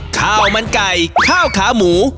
ข้าวมันไก่ข้าวขาหมู